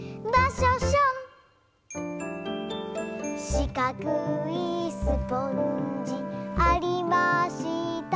「しかくいすぽんじありました」